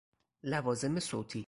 لوازم صوتی